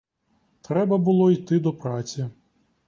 Треба було йти до праці.